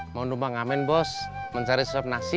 mau nombang amin bos mencari suap nasi